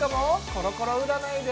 コロコロ占いです